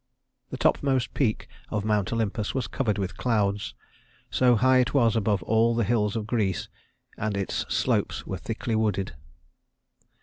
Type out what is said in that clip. The topmost peak of Mount Olympus was covered with clouds, so high it was above all the hills of Greece, and its slopes were thickly wooded.